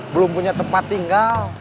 belum punya tempat tinggal